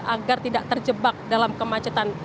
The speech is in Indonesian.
agar tidak terjebak dalam kemacetan